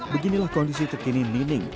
beginilah kondisi terkini nining